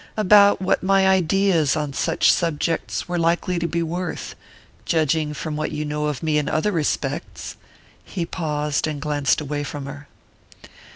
"About what my ideas on such subjects were likely to be worth judging from what you know of me in other respects." He paused and glanced away from her.